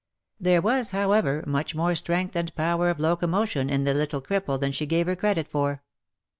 There was, however, much more strength and power of locomotion in the little cripple than she gave her credit for.